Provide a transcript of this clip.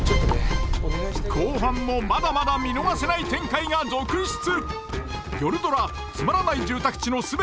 後半もまだまだ見逃せない展開が続出！